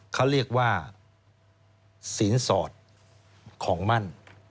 เขาเรียกว่าสินสอดของมั่น